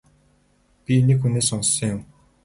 Би нэг хүнээс сонссон юм.